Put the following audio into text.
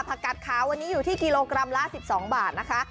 กัดขาววันนี้อยู่ที่กิโลกรัมละ๑๒บาทนะคะ